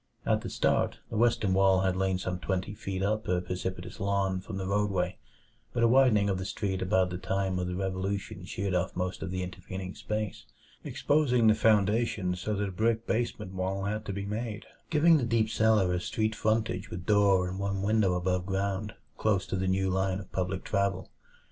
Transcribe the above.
At the start, the western wall had lain some twenty feet up a precipitous lawn from the roadway; but a widening of the street at about the time of the Revolution sheared off most of the intervening space, exposing the foundations so that a brick basement wall had to be made, giving the deep cellar a street frontage with door and one window above ground, close to the new line of public travel.